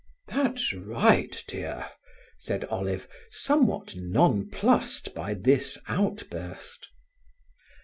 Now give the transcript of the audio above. "That's right, dear," said Olive, somewhat nonplussed by this outburst.